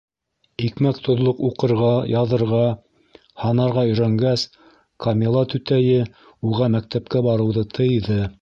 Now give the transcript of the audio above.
Икмәк-тоҙлоҡ уҡырға, яҙырға, һанарға өйрәнгәс, Камила түтәйе уға мәктәпкә барыуҙы тыйҙы.